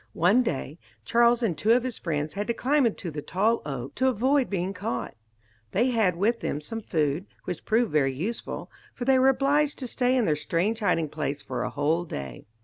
One day, Charles and two of his friends had to climb into the tall oak to avoid being caught. They had with them some food, which proved very useful, for they were obliged to stay in their strange hiding place for a whole day.